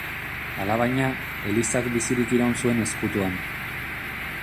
Alabaina, elizak bizirik iraun zuen ezkutuan.